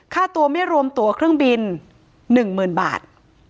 ค่าตัวไม่รวมตัวเครื่องบิน๑๐๐๐บาท